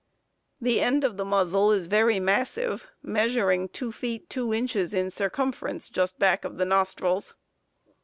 The end of the muzzle is very massive, measuring 2 feet 2 inches in circumference just back of the nostrils.